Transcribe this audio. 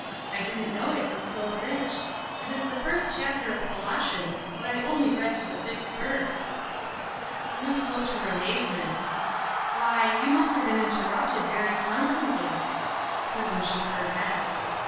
I didn't know it was so rich. It is the first chapter of Colossians, but I only read to the fifth verse." Ruth looked her amazement. " Why, yon 124 Ruth JErskine'a Crosses, must have been interrupted very constantly." Susan shook her head.